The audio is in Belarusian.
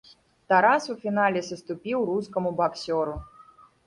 Тарас у фінале саступіў рускаму баксёру.